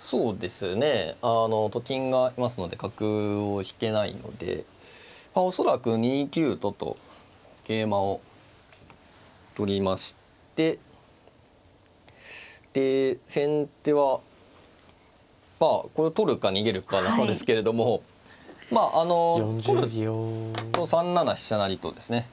そうですね。と金がいますので角を引けないので恐らく２九とと桂馬を取りましてで先手はこれを取るか逃げるかなんですけれどもまああの取る３七飛車成とですね